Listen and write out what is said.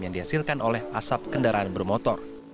yang dihasilkan oleh asap kendaraan bermotor